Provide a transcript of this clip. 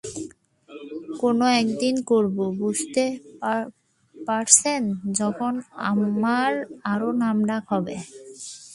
কোনো একদিন করব, বুঝতেই পারছেন, যখন আমার আরো নামডাক হবে।